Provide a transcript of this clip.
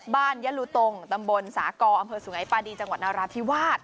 ยะลูตงตำบลสากออำเภอสุงัยปาดีจังหวัดนราธิวาส